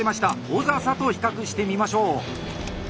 小佐々と比較してみましょう。